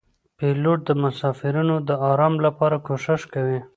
پیلوټ د مسافرینو د آرام لپاره کوښښ کوي.